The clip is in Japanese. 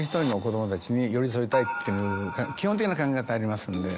基本的な考え方ありますので。